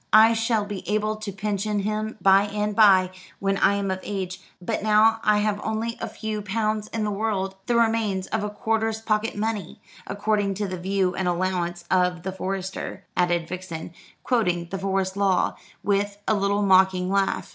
I shall be able to pension him by and by, when I am of age; but now I have only a few pounds in the world, the remains of a quarter's pocket money, according to the view and allowance of the forester," added Vixen, quoting the Forest law, with a little mocking laugh.